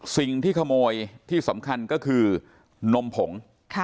สิ่งที่ขโมยที่สำคัญก็คือนมผง